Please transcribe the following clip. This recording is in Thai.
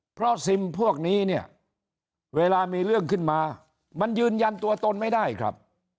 เพราะซิมพวกนี้เนี่ยเวลามีเรื่องขึ้นมามันยืนยันตัวตนไม่ได้ครับ